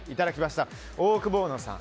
オオクボーノさん。